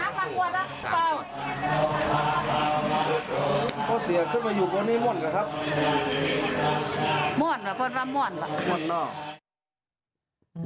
จังเกิดขึ้นอดท้ายโยนขึ้นอดท้ายซึ่งไกลจริง